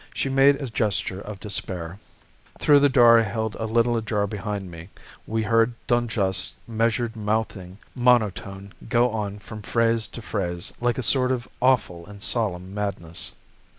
She made a gesture of despair. "Through the door I held a little ajar behind me, we heard Dun Juste's measured mouthing monotone go on from phrase to phrase, like a sort of awful and solemn madness.